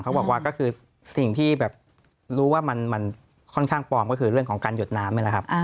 บอกว่าก็คือสิ่งที่แบบรู้ว่ามันค่อนข้างปลอมก็คือเรื่องของการหยดน้ำนี่แหละครับ